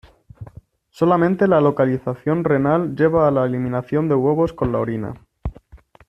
Solamente la localización renal lleva a la eliminación de huevos con la orina.